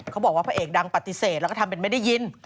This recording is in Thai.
เขาบอกว่าพระเอกดังปฏิเสธแล้วก็ทำเป็นไม่ได้ยิน